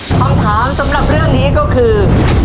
คำถามสำหรับเรื่องนี้ก็คือ